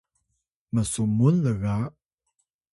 m’sumun lga